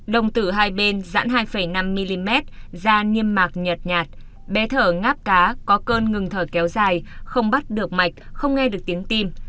đồng tử hai bên dãn hai năm mm da niêm mạc nhệt nhạt bé thở ngáp cá có cơn ngừng thở kéo dài không bắt được mạch không nghe được tiếng tim